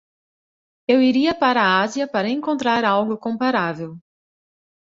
Eu iria para a Ásia para encontrar algo comparável.